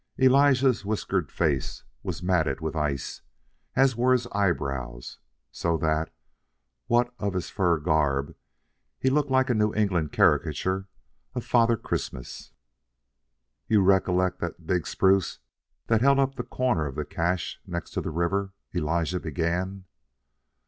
Elijah's whiskered face was matted with ice, as were his eyebrows, so that, what of his fur garb, he looked like a New England caricature of Father Christmas. "You recollect that big spruce that held up the corner of the cache next to the river?" Elijah began.